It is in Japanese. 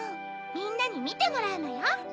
みんなにみてもらうのよ。